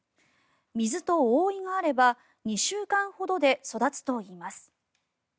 水と覆いがあれば２週間ほどで育つといいます。